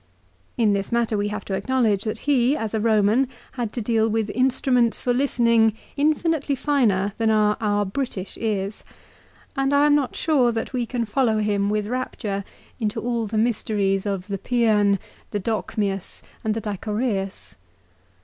In this matter we have to acknowledge that he, as a Eoman, had to deal with instruments for listening infinitely finer than are our British ears ; and I am not sure that we can follow him with rapture into all the mysteries of the Pceon, the Dochmius, and the Dichoreus.